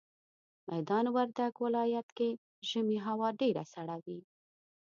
ميدان وردګ ولايت کي ژمي هوا ډيره سړه وي